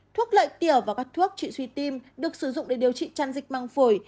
thuốc lợi tiểu và các thuốc trị suy tim được sử dụng để điều trị trăn dịch măng phổi